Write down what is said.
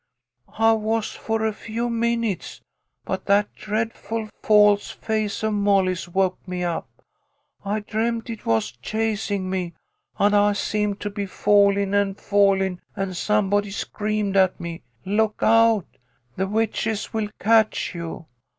" I was, for a few minutes, but that dreadful false face of Molly's woke me up. I dreamed it was chas ing me, and I seemed to be falling and falling, and somebody screamed at me ' Look out I The witches will catch you